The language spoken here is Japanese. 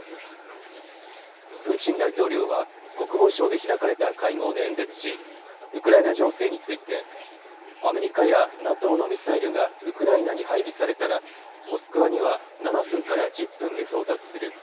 プーチン大統領は国防省で開かれた会合で演説しウクライナ情勢についてアメリカやＮＡＴＯのミサイルがウクライナに配備されたらモスクワには７分から１０分で到達する。